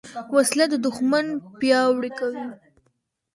وسله د دوښمن پیاوړي کوي